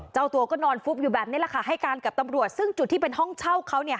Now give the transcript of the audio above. เจ้าตัวก็นอนฟุบอยู่แบบนี้แหละค่ะให้การกับตำรวจซึ่งจุดที่เป็นห้องเช่าเขาเนี่ย